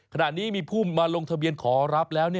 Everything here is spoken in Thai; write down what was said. ขณะนี้มีผู้มาลงทะเบียนขอรับแล้ว